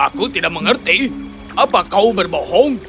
aku tidak mengerti apa kau berbohong